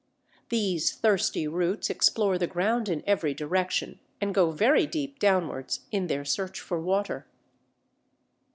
These thirsty roots explore the ground in every direction, and go very deep downwards in their search for water.